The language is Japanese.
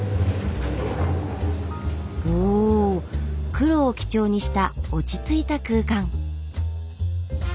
おっ黒を基調にした落ち着いた空間。